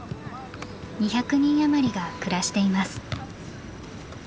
２００人余りが暮らしています。